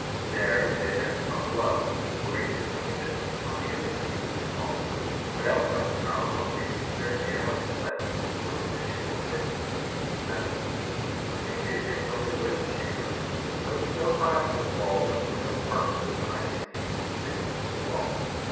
There, as we had noticed from below, were ranges of windows, albeit of mediaeval smallness, but elsewhere in the tower were only a very few narrow slits such as were habitual in places of mediaeval defence. A few of these only lit the chamber, and these so high up in the wall that from no part could the sky be seen through the thickness of the walls.